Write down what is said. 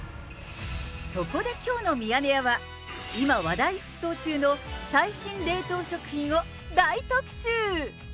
そこできょうのミヤネ屋は、今、話題沸騰中の最新冷凍食品を大特集。